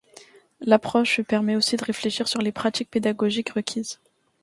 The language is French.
L’approche permet aussi de réfléchir sur les pratiques pédagogiques requises.